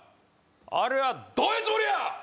あれはどういうつもりや！